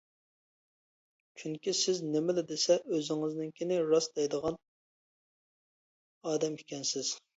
چۈنكى سىز نېمىلا دېسە ئۆزىڭىزنىڭكىنى راست دەيدىغان ئادەم ئىكەنسىز.